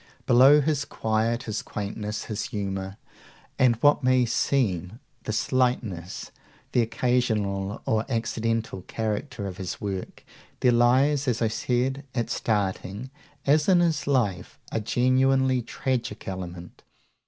Below his quiet, his quaintness, his humour, and what may seem the slightness, the occasional or accidental character of his work, there lies, as I said at starting, as in his life, a genuinely tragic element.